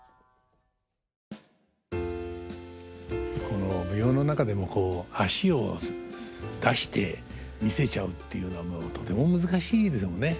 この舞踊の中でもこう脚を出して見せちゃうっていうのはとても難しいでしょうね。